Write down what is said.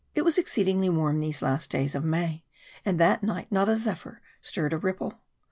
It was exceedingly warm these last days of May, and that night not a zephyr stirred a ripple.